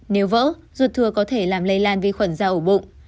nếu vỡ ruột thừa có thể làm lây lan vi khuẩn da ổ bụng